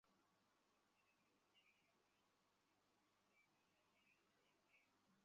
এরপর joint stock কোম্পানিতে নিবন্ধন করে নতুন কোম্পানির কার্যক্রম শুরু করা যাবে।